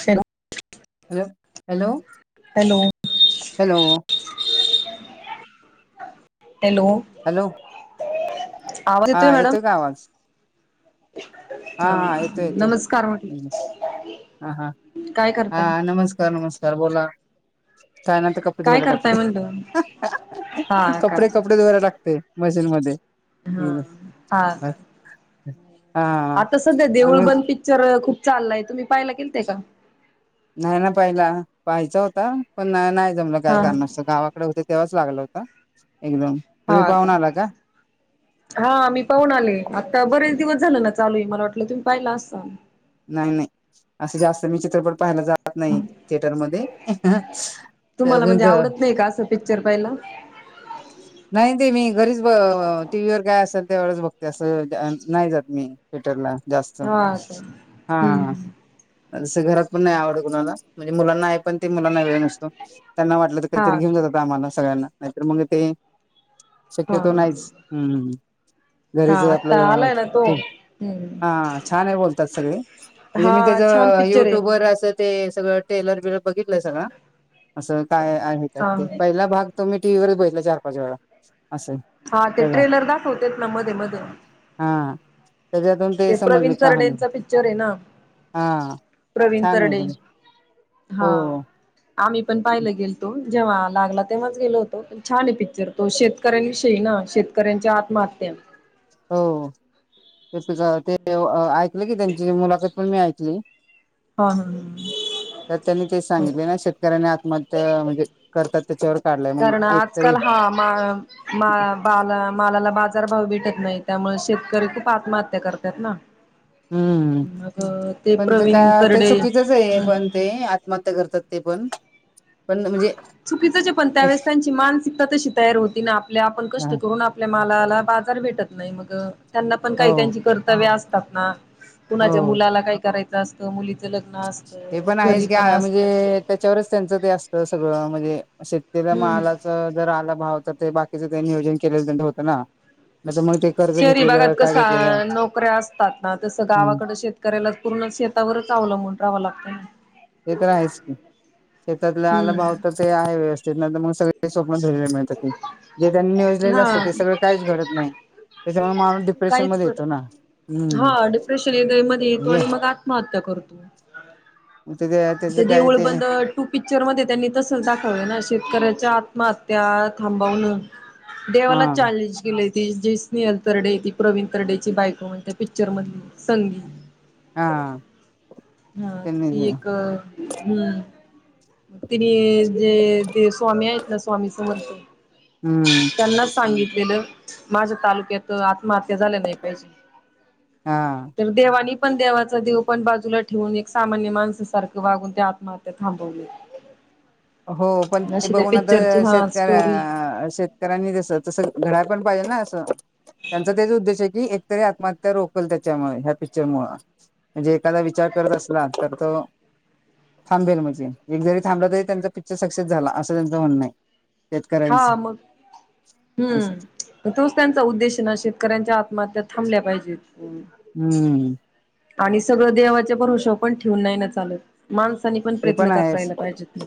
ह hello hello. Hello, hello, hello, hello, ह, ह, येेतोय काय आवाज. हा,, नमस्कार म्हटलं. हा हा,, काय करताय हा, नमस्कार नमस्कार, बोला. कायनंतर कपडे काय धुवायला करताय टाकले,, म्हणलं हा काय कपडे, कपडे. डे धुवायला टाकते, मशीन मध्ये. हा हा का हा आता सध्या देऊळ तुम्ही बंद पिक्चर खूप चाललाय,, तुम्ही पाहिला गेल ते का? नाही ना पहिला, पाहायच होता, पण नाही जमलं, काय हा करणार, असत गावातऽ हो तेव्हाच लागलं होता,, एकदम, तुम्ही पाहून आला का? हा, मी पाहून आले, आता बरेच दिवस झाले ना चालू आहे, मला वाटलं तुम्ही पाहिला असाऽ नाही नाही, असं जास्त मी चित्रपट पाहायला जाऽ त नाही,, थिएटर मध्ये,, तुम्हाला म्हणजे आवडत का, आसं. पिक्चर पायला. नाही ते मी घरीच, टी व्ही वर काय असेल ते वढच बघते, असं नाही जात मी. थेटरला, जास्त,, हा का हा. हम्म सं घरात पण नाही आवडत कुणाला,, म्हणजे मुलांनाऽ पण ते मुलांना वेळ नसतो,, त्यांना वाटलं तर कधीतरी हा घेऊन जातात का आम्हाला सगळ्यांना, नाहीतर मग तेऽ हा शक्यतो नाहीच,,, हम्म. हा घरीच आता आपलं,, आलाय ना तो हम्म हा, छान आहे बोलतात सगळे. म्हणजे हा मी त्याच, छान पिक्चर आहे युट्युबर असेतऽ ते सगळं टेलर बिलर बघितलंय सगळं, असं काय हा तेऽ पहिला भाग, तुम्ही टीव् ववरच बघितला चार पाच वेळा. असं हा, ते त्याचा ट्रेलर दाखवतेत ना मध्ये मध्ये. हा, त्याच्यातून ते प्रवीण समजली, कहानि,, तरडेंचा पिक्चर आहे ना हा प्रवीण छान आहे तरडे बोलऽ हा, आम्ही पण पाहिला गेल तो. जेव्हा लागला तेव्हाच गेलो होतो, पण छान आहे पिक्चर तो, शेतकऱ्यांविषयी ना, शेतकऱ्यांच्या आत्महत्या,, हो,, ते ते ऐकलं की त्यांची, मुलाखत पण मी ऐकली. हा हा,, तर त्यांनी तेच ह सांगितले ना, शेतकऱ्यांनी आत्महत्या म्हणजे करतात. त्याच्यावर काढलाय. मग कारण एकतरी आजकाल हां, मालऽ मा बाला मालाला बाजारभाव भेटत नाही त्यामुळे शेतकरी खूप आत्महत्या करतात ना ह हम्म पण ते का ते तरडे चुकीचच आहे हम्म पण ते आत्महत्या करतात ते पण पण म्हणजे चुकीचं जे पण, त्यावेळेस त्यांची मानसिकता तशी तयार होती ना, आपल्या आपण कष्ट करूनऽ आपल्या मालाला बाजार भेटत नाही, मग त्यांना पण हो काही त्यांची कर्तव्य असतात ना. कुणाच्या हो मुलाला काय करायचं असतं, मुलीचं लग्न असत, हे घरी आहेच की पण असत. म्हणजे त्याच्यावरच त्यांचं ते असत, सगळं म्हणजे शेतक हम्म मालालाऽ च जर आला भाव तर ते बाकीच नियोजन केलेल होत ना,, मग तेऽ शहरी भागात कस नोकऱ्या असतात ना, तसं हम्म गावाकड शेतऽ करायला पूर्ण शेतावरच आवलं म्हण राहावं लागतं ना ते तर आहेहीच की शेतातला आलाभव तर हम्म ते आहे व्यवस्थेत ना तर मग सगळे ते स्वप्न धरला मिळत ते जे त्यांनी नियोजलेलं असतं हा ते सगळं काहीच घडत नाही त्याच्यामुळे माणूस डिप्रेशन काहीच मध्ये येतो ना कळत हम्म हा डिप्रेशन मध्ये येतो म्हणजे आणि मग आत्महत्या करतो ते म त्याच काय देवळ ते बंद तू पिक्चर मध्ये त्यांनी तसं दाखवलं ना शेतकऱ्याच्या आत्महत्या थांबवणं हा देवाला चॅलेंज केले ती जी स्नेहल तरडे ती प्रवीण तरडेची बायको म्हणते पिक्चर मधली संगीत हा हा त्यांनी ती एक हम्म मग तिने जे स्वामी आहेत ना स्वामी समरत हम्म त्यांनाच सांगितलेलं माझ्या तालुक्यात आत्महत्या झाल्या नाही पाहिजे हा तर देवानी पण देवाचा देव पण बाजूला ठेवून एक सामान्य माणसासारखं वागून ते आत्महत्या थांबवली [inaudible] हो पण ते बघून आता स्टोरी शेतकऱ्या शेत ांनी तस तसं घड्या पण पाहिजे ना असं त्यांचा तेच उद्देश आहे किी एकतरी आत्महत्या रोकल त्याच्यामुळे ह्या पिक्चर मुळ म्हणजे एखादा विचार करत असला तर तो थांबेल म्हणजे एक जरी थांबलं तरी त्यांचा पिक्चर सक्सेस झाला असं त्यांचं म्हणणं आहे हा शेतकऱ्यांच मग असं हम्म तोच त्यांचा उद्देश ना शेतकऱ्यांच्या आत्महत्या थांबल्या पाहिजेत हम्म आणि सगळं देवाच्या पण हुश पण ठेवून नाही ना चालत माणसानी पण ते प्रयत्न आहेच करायला पाहिजेत ना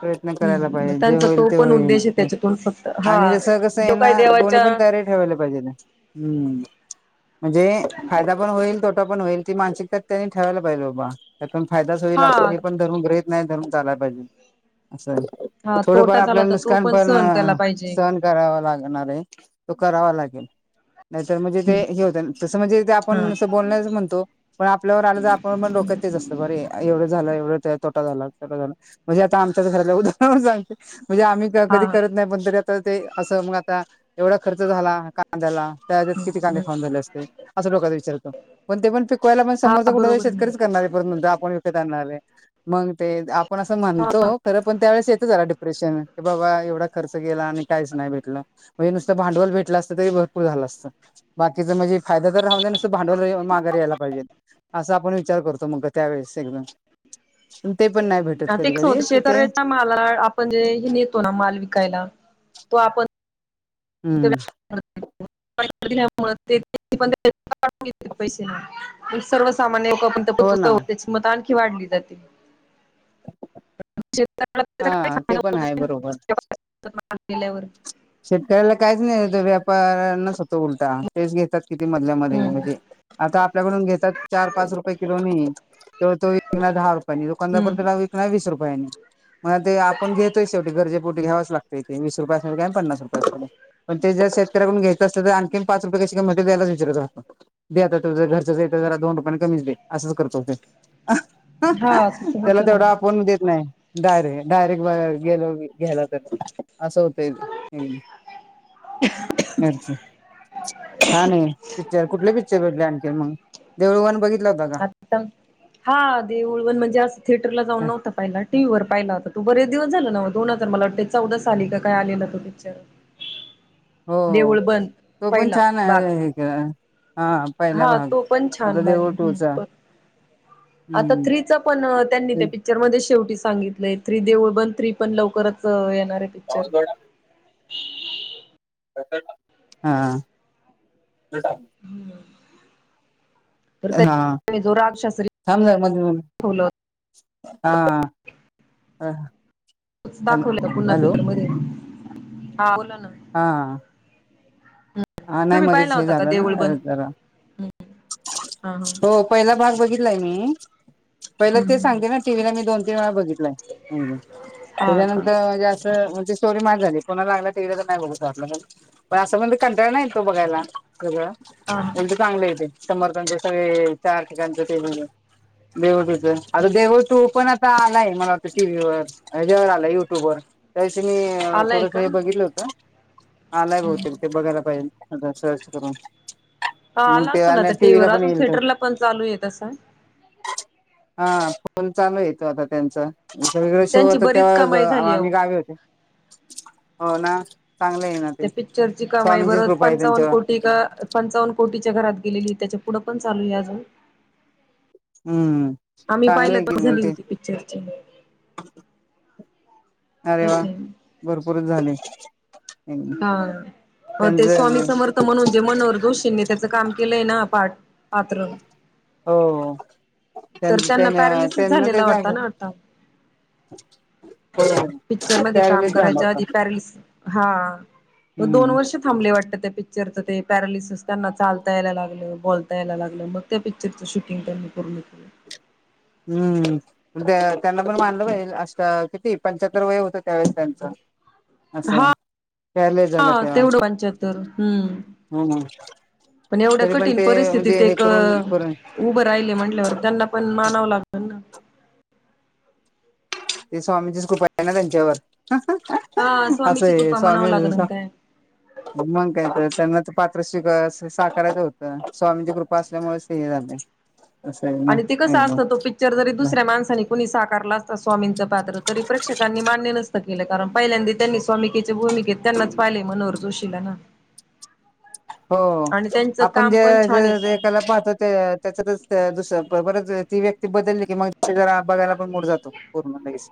प्रयत्न करायला हम् पाहिजे जे त्यांचा होईल तो ते पण होईल उद्देश आहे त्याच्यातून फक्त हा जो काय देवाच्या े पा म्हण फा हो ण होईल मानिक त्यांनी ठेवायला पाजे बाबा त्यात फायदाच होईल हा अस ण धर्म ग्रहित नाही धरून चालाय पाहिजे असं हा थोडं पण तोटा झाला आपल्याला तर तो नुकसान पण सहन केला पाहिजे. सण करावा लागणार आहे तो करावा लागेल नाहीतर म्हणजे ते हे होत तसं म्हणजे ते हा आपण असं बोलण्याच म्हणतो पण आपल्यावर आलं तर आपण पण डोक्यात तेच असतं बरे एवढं झालं एवढं तोटा झाला तोटा झाला म्हणजे आता आमच्याच घरातल्या उदाहरणावरून सांगतो म्हणजे आम्ही हा कधी करत नाही पण तरी आता ते असं म आता एवढा खर्च झाला. कांद्याला त्यात किती कांदे हम्म खाऊन झाले असते असं डोक्यात विचार येतो. पण ते पण पिकवायला पण हा समोरचा कुठला तरी बरोबर आहे शेतकरीच ना. करणार आहे परत आपण करणार आहे. मग ते आपण असं म्हणतो खरं पण त्यावेेळेस येतं जरा डिप्रेशन की बाबा एवढा खर्च गेला आणि काहीच नाही भेटलं म्हणजे नुसतं भांडवल भेटलं असतं तरी भरपूर झालं असतं बाकीचा म्हणजे फायदा तर राहू द्या नुसतं भांडवल तरी माघारी यायला पाहिजे. असा आपण विचार करतो मग त्यावेेळेस एकदम पण ते पण नाय भेटत हा ते कधी कसं कधी होत तिथे शेतकऱ्याच्या माला आपण जे नेतो ना माल विकायला तो आपण हम्म [inaudible] [unintelligible] पैसे मग पण सर्व सामान्य पण हो ना [unintelligible] होतेच मग त आणखी वाढली जाते. [unintelligible] हा ते फायदा पण होत आहे नाही ना. बरोबर त्या महाग गेल्यावर शेतकऱ्याला काहीच नाही व्यापऱ्यांनाच होतो उलटा तेेच घेतात किती मधल्यामध्ये हम्म म्हजे आता आपल्याकडून घेतात चार पाच रुपये किलो नी तेवढं तो विकणार दहा रुपयानी दुकानदार त्याला हम्म विकनार वीस रुपयानी मग ते आपण घेतोय शेवटी गरजेपोटी घ्यावंच लागतयं ते वीस रुपयासाठी का आणि पन्नास रुपया पण ते जर शेतकऱ्याकडुन घ्यायचं असलं तर आणखी पाच रुपय मध्ये देशील का त्यालाच विचारतो. दे आता तुझं घरचंच आहे तर जरा दोन रुपयाने कमीच दे असंच करतो. हा तसं त्याला होतं ना तेवढा आपण देत नाय. डायरे डायरेक्ट बघायला गेलो की घ्याया लावत्यात ति असं होतयं ते [inaudible] [unintelligible] छान आहे पिक्चर कुठले पिक्चर बघीटले आणखी मग देऊळ वन बघितला होता हा देऊळ वन म्हणजे असं थिएटरला जाऊन का? नव्हता पहिला टीव्हीवर पाहिला होता तो बरेच दिवस झाले ना ओ दोन हजार मला वाटतंय चौदा साली का काय आलेला तो पिक्चर हो देऊळ बंद तो पण पहिला छान भाग आहे हे हा पहिला हा भाग तो पण आता छान भाग देऊळ आहे टू चा हम्म. आता हम्म. थ्री चा पण त्यांनी हा त्या पिक्चर मध्ये शेवटी सांगितलंय थ्री देऊळ बंद थ्री पण लवकरच येणार हे पिक् क्चर हा तर हा त्या जो रागशास्त्री थांब जरा [unintelligible] दाखवला हा हा तेच दाखवलं का पुन्हा पीक्चर मधे हा बोला ना हा हा नाही तुम्ही पाहिला मध्येच हे होता का झालं देऊळ ना बंद जरा हा हा पहिला भाग बघितलाय मी पहिलं ते हम्म सांगते ना टीव्हीला मी दोन तीन वेळा बघितलाय हम् हा का त्याच्यानंतर म्हणजे असं म्हणजे ष्टोरी माट झाली पुन्हा लागला टीव्हीला तर नाही बघुसा वाटला मग पण असा पण कंटाळा नाही येत तो बघायला हा हा म्हणजे चांगलं हे ते समर्थाचे सगळे चार ठिकाणचं ते देऊळ टू पण आता आलाय मला वाटतं टीव्हीवर ह्या ज्यावर आलाय युट्यूब वर त्या दिवशी मी आलाय थोडंस का हे बघितलं होतं आलाय बहुतेक हा पाहीन आता सर्च करून हा मग आला ते असेल आणि आता टीव्हीला टीव्हीवर पण अजून येईल तर थिएटरला पण चालू आहे तसं हा फोन चालू आहे आता त्यांचा अ वेगळे शो त्यांची होता बरीच तेव्हा कमाई झाली अहो आम्ही गावी होतो हो ना चांगलं आहे ना ते त्या पिक्चरची कामाई स्वामींचीच बरंच कृपा आहे पंचावन्न त्यांच्यावर कोटी एक पंचावन्न कोटीच्या घरात गेलेली त्याच्या पुढं पण चालू आहे अजून हम्म आम्ही चांगलं पाहिलं आहे की तेव्हा मग झाली ते होती तेव्हा पिक्चरची अरे वा कसं हाय भरपूरच झाली हा मग ते स्वामी समर्थ म्हणून जे मनोहर जोषी नी त्याचं काम केलंय ना पाठ पात्र हो त्यां तर त्यांना त्यां पॅरालिसिस त्यांना ते झालेला वाटता झालं ना वाटता हो ना पिक्चर मध्ये काम करायच्या आधी पॅरेलिस हा दोन हम्म वर्ष थांबले वाटत ते पिक्चरच ते पॅरालिसीस त्यांना चालता यायला लागलं बोलता यायला लागलं मग त्या पिक्चरच शूटिंग त्यांनी पूर्ण केलं हम्म त्यांना पण मानलं पाहिजे अस तर किती पंच्याहत्तर वय होतं त्यावेळेस त्यांच हा झाला तेव्हा तेवढं पंच्याहतर हम्म हम्म पण एवढ्या तरी कठीण ते परिस्थितीत म्हणजे हे एक करून करून उभे राहिले म्हटल्यावर त्यांना पण मानावं लागलं ना ते स्वामीचीच कृपा आहे ना त्यांच्यावर हा असं स्वामीची हाय कृपा म्हणावं स्वामी लागल काय. मग काय तर त्यांनाच पात्र स्वीका साकारायचं होतं स्वामीची कृपा असल्यामुळेच ते हे झालं अस आहे ना जर जरी दुसऱ्या माणसानी कुणी साकारला असता स्वामींचं पात्र तरी प्रेक्षकांनी मान्य नसत केलं कारण पहिल्यांदी त्यांनी स्वामीकीच्या भूमिकेत त्यांनाच पाहिलेय मनोहर जोशीला ना हो हो आणि त्यांचं आपण काम जे पण छान जे आहे. एकाला पाहतो ते त्याच्यातच दुस बरच ती व्यक्ती बदलली की मग सगळा बघायला पण मूड जातो पूर्ण लगेच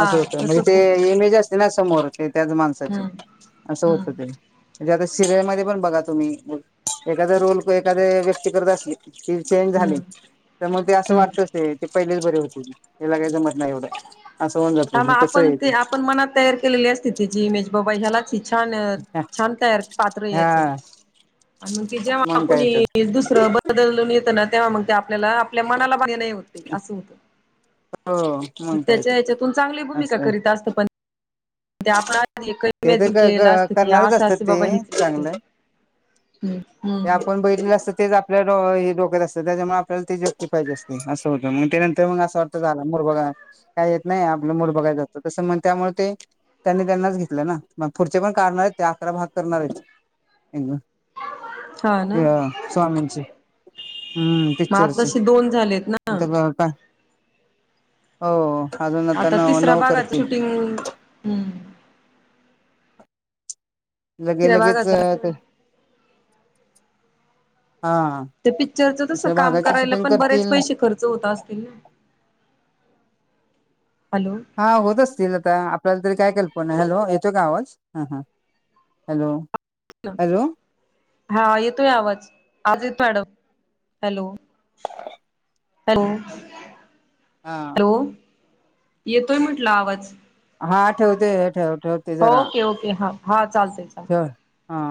असं होतं म्हणजे तसच होतं. ते इमेज असत न समोर ते त्याच माणसाचे हम्म असं हम्म होत ते म्हणजे आता सिरियल मध्ये पण बघा तुम्ही बी एखादा रोल एखादा व्यक्ती करत असली ती चेंज झाली हम्म तर मग ते असं हम्म. वाटत ते पहिलीच बरी होती हिला काय जमत नाही एवढ अस हा मग आपण ते आपण मनात तयार केलेली असती तिची इमेज बाबा ह्यालाच ही छान छान तयार पात्र आहे याचं हा आण मग ते जेव्हा मग काय तर कुणी दुसरं बदलून येतं ना तेव्हा मग ते आप आपल्याला आपल्या मनाला बरे नाही होत असं होत हो मग काय त्याच्या तर हेच्यातून चांगली भूमिका असं आहे. करीत असतो पण ते आपल ते इमेजिन केलेलं तर असतं की करणारच असं असतात असं ते बाबा हिच व्यक्ती चांगलं आहे हम्म ते आपण बघितलेल असत तेच आपल्या डो हे डोक्यात असत त्याच्यामुळं आपल्याला तिच व्यक्ती पाहिजे असते असं होतं मग ते नंतर मग असं झाल मूड बघाय काय येत नाही आपलं मुड बघाय असत तस म्हण त्यामुळे ते त्यांनी त्यांनाच घे आपल्या ना मग पुढचे पण काढणार आहेत ते अकरा भाग करणार आहेत हा हे ना अ स्वामींचे हम्म मग पिक्चरचे आताशी दोन झालेत ना आता हो हो अजून आता नऊ तिसऱ्या नऊ भागाच करतील शूटिंग हम्म लगे तिसऱ्या लगेच भागाच अ हा ते पिक्चरच तसं दुसऱ्या काम भागाची करायला शूटिंग पण बरेच करतील पैशे खर्च होत असतील ना हॅलो हा होत असतील आता आपल्याला तरी काय कल्पना हॅलो येतो का आवाज हा हा हॅलो हॅलो हा येतोय आवाज आज येत मॅडम हॅलो हॅलो हा हॅलो येतोय म्हटलं आवाज हा ठेवते हे ठेव ठेवते जरा ओके ओके हा हा चालतय चालतय ठेव हा